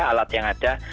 alat yang ada